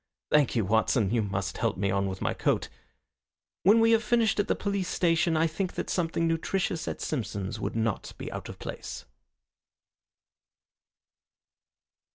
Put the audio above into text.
Thank you, Watson, you must help me on with my coat. When we have finished at the police station I think that something nutritious at Simpson's would not be out of place."